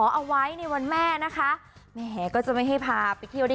เอาไว้ในวันแม่นะคะแม่ก็จะไม่ให้พาไปเที่ยวได้